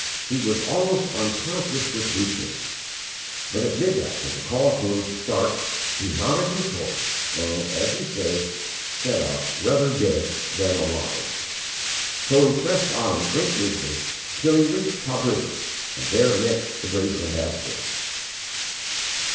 He was almost unconscious with weakness, but at midnight when the call came to start he mounted his horse and, as he says, "set out, rather dead than alive." So he pressed on in great weakness till he reached Tabriz, and there met the British Ambassador.